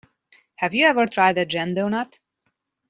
Have you ever tried a Jam Donut?